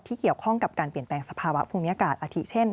เกี่ยวข้องกับการเปลี่ยนแปลงสภาวะภูมิอากาศอาทิตเช่น